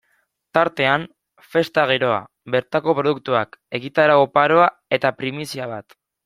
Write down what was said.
Tartean, festa giroa, bertako produktuak, egitarau oparoa eta primizia bat.